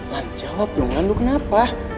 lan jawab dong lan lu kenapa